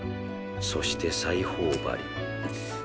そして裁縫針うっ。